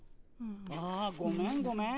あごめんごめん。